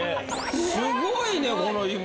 すごいねこの夢。